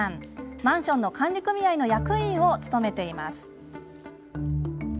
マンションの管理組合の役員を務めています。